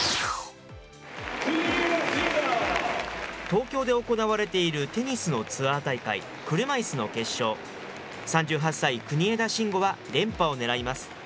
東京で行われているテニスのツアー大会、車いすの決勝、３８歳、国枝慎吾は連覇を狙います。